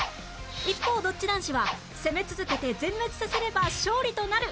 一方ドッジ男子は攻め続けて全滅させれば勝利となる